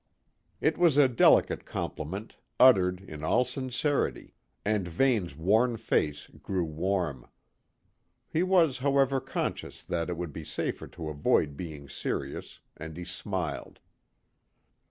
It was a delicate compliment, uttered in all sincerity, and Vane's worn face grew warm. He was, however, conscious that it would be safer to avoid being serious, and he smiled.